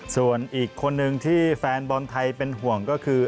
ส่วนอีกคนนึงที่แฟนบอลไทยเป็นห่วงก็คือ